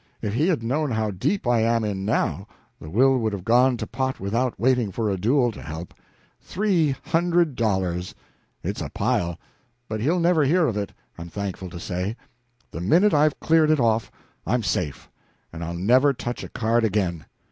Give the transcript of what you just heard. If he had known how deep I am in, now, the will would have gone to pot without waiting for a duel to help. Three hundred dollars! It's a pile! But he'll never hear of it, I'm thankful to say. The minute I've cleared it off, I'm safe; and I'll never touch a card again.